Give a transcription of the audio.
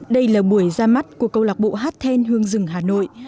đây là buổi ra mắt của câu lạc bộ hát thên hương dừng hà nội